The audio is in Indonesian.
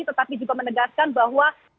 tetapi juga menegaskan bahwa